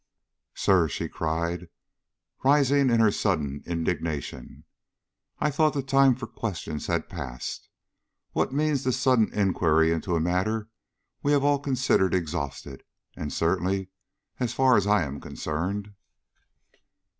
"Sir," she cried, rising in her sudden indignation, "I thought the time for questions had passed. What means this sudden inquiry into a matter we have all considered exhausted, certainly as far as I am concerned."